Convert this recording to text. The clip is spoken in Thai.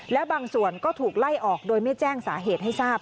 และบางส่วนก็ถูกไล่ออกโดยไม่แจ้งสาเหตุให้ทราบ